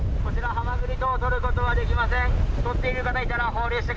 ハマグリ等、取ることはできません。